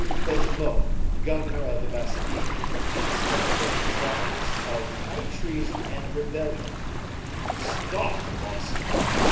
de Baisemeaux, governor of the Bastile, suspected of the crimes of high treason and rebellion " "Stop, monseigneur!"